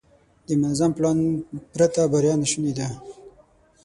د منظم پلان پرته بریا ناشونې ده.